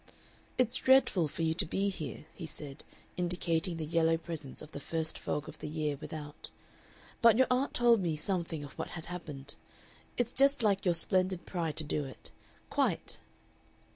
"It's dreadful for you to be here," he said, indicating the yellow presence of the first fog of the year without, "but your aunt told me something of what had happened. It's just like your Splendid Pride to do it. Quite!"